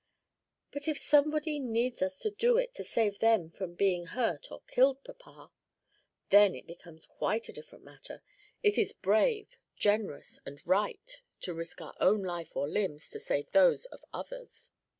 "But if somebody needs us to do it to save them from being hurt or killed, papa?" "Then it becomes quite a different matter: it is brave, generous, and right to risk our own life or limbs to save those of others."